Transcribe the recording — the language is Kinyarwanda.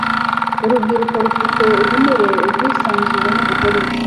Urubyiruko rufite ibinure ubwisanzure nubugome